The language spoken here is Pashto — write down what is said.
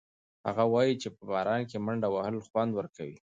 هغه وایي چې په باران کې منډه وهل خوند ورکوي.